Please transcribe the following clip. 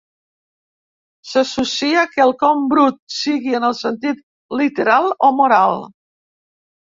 S'associa a quelcom brut, sigui en el sentit literal o moral.